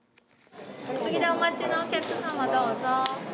次でお待ちのお客様、どうぞ。